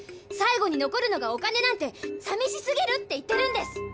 最後に残るのがお金なんてさみしすぎるって言ってるんです。